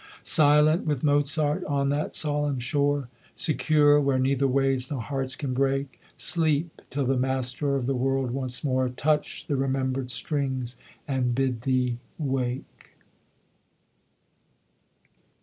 Silent, with Mozart, on that solemn shore; Secure, where neither waves nor hearts can break; Sleep, till the master of the world once more Touch the remembered strings and bid thee wake.